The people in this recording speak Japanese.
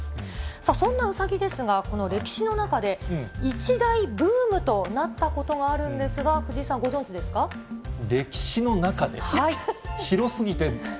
さあ、そんなうさぎですが、この歴史の中で、一大ブームとなったことがあるんですが、藤井さん、歴史の中で？